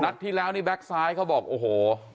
นัดที่แล้วแบ็คซ้ายเขาบอกโอ้โห